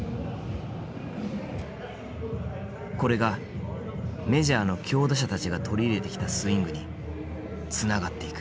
これがメジャーの強打者たちが取り入れてきたスイングにつながっていく。